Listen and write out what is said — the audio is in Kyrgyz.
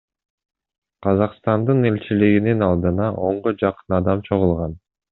Казакстандын элчилигинин алдына онго жакын адам чогулган.